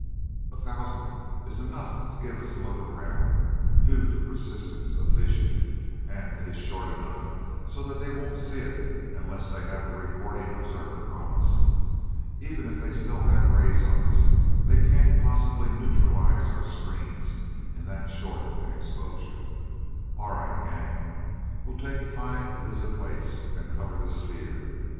"A thousandth is enough to give us a look around, due to persistence of vision; and it is short enough so that they won't see it unless they have a recording observer on us. Even if they still have rays on us, they can't possibly neutralize our screens in that short an exposure. All right, gang? We'll take five visiplates and cover the sphere.